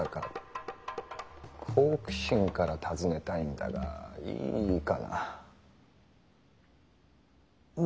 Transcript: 好奇心から尋ねたいんだがいいかな？